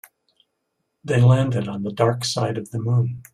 They landed on the dark side of the moon.